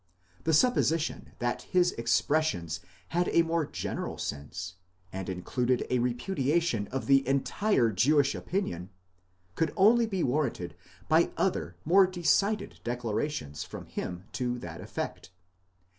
The supposition that his expressions had a more general sense, and included a repudiation of the entire Jewish opinion, could only be warranted by other more decided declarations from him to that effect.